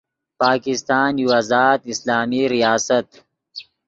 پاکستان یو آزاد اسلامی ریاست